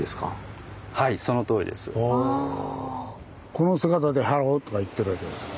この姿で「ハロー」とか言ってるわけですか。